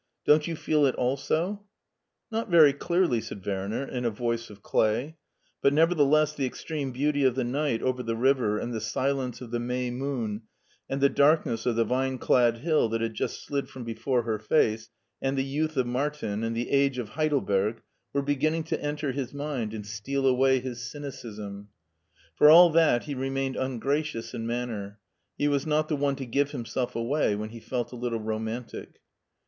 Don^t you feel it also ?"*' Not very clearly," said Werner, in a voice of day ; but, nevertheless, the extreme beauty of the night over the river and the silence of the May moon and the darkness of the vine clad hill that had just slid irom before her face and At youth of Martin and the age of Heidelberg were beginning to enter his mind and steal away his C3micism. For all that he remained un gracious in manner ; he was not the one to give himself away when he felt a little romantic.